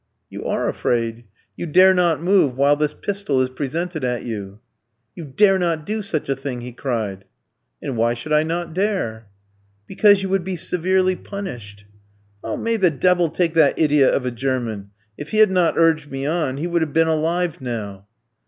"'You are afraid! You dare not move while this pistol is presented at you.' "'You dare not do such a thing!' he cried. "'And why should I not dare?' "'Because you would be severely punished.' "May the devil take that idiot of a German! If he had not urged me on, he would have been alive now.